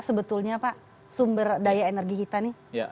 sebetulnya pak sumber daya energi kita nih